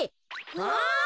あ！